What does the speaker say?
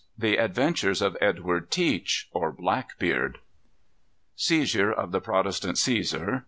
The Adventures of Edward Teach, or Blackbeard. Seizure of the Protestant Cæsar.